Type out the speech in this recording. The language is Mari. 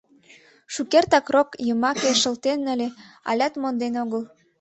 Шукертак рок йымаке шылтен ыле, алят монден огыл.